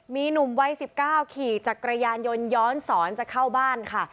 มีหนุ่มวัย๑๙ขี่จักรยานยนต์ย้อนสอนจะเข้าบ้านค่ะ